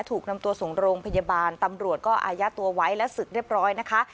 ถูกนำตัวส่งโรงพยาบาลตำรวจก็อายัดตัวไว้และศึกเรียบร้อยนะคะ